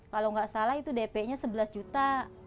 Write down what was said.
kalau nggak salah itu dp nya sebelas juta